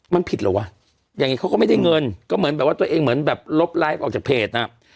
มันผิดเหรอวะอย่างนี้เขาก็ไม่ได้เงินก็เหมือนแบบว่าตัวเองเหมือนแบบลบไลฟ์ออกจากเพจน่ะ